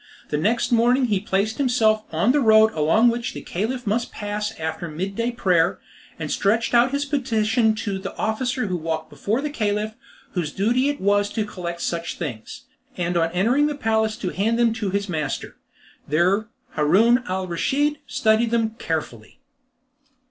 The next morning he placed himself on the road along which the Caliph must pass after mid day prayer, and stretched out his petition to the officer who walked before the Caliph, whose duty it was to collect such things, and on entering the palace to hand them to his master. There Haroun al Raschid studied them carefully.